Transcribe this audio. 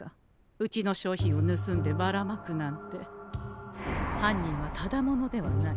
うちの商品をぬすんでばらまくなんて犯人はただ者ではない。